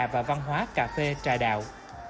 và văn hóa cà phê trà đạo